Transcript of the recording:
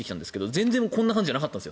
全然こんな感じじゃなかったんです。